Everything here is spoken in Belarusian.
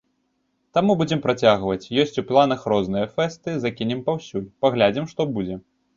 Таму будзем працягваць, ёсць у планах розныя фэсты, закінем паўсюль, паглядзім, што будзе.